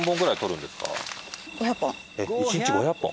えっ１日５００本！？